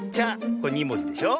これ２もじでしょ。